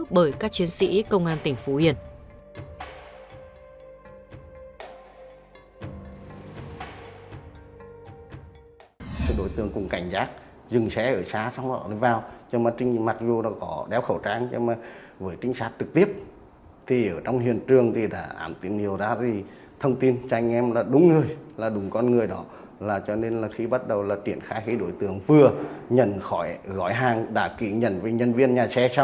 bắt giữ bởi các chiến sĩ công an tỉnh phú yên